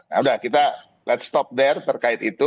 nah udah kita let s stop there terkait itu